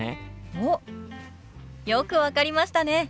おっよく分かりましたね！